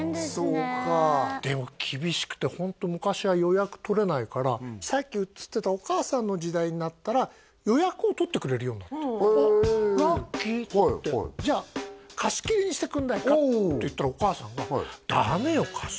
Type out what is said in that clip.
そうかでも厳しくてホント昔は予約取れないからさっき映ってたお母さんの時代になったらへえラッキーっつってじゃあ貸し切りにしてくれないかって言ったらお母さんが「ダメよ